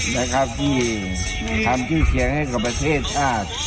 นะครับที่ทำที่เคียงให้กับประเทศชาติ